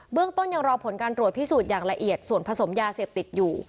เรื่องต้นยังรอผลการตรวจพิสูจน์อย่างละเอียดส่วนผสมยาเสพติดอยู่